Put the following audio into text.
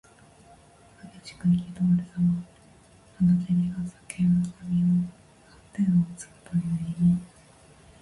激しくいきどおるさま。まなじりが裂け髪が天をつくという意味。